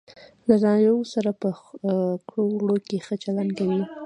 له نارینه وو سره په ګړو وړو کې ښه چلند کوي.